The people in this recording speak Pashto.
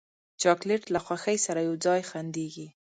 چاکلېټ له خوښۍ سره یو ځای خندېږي.